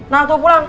nah aku pulang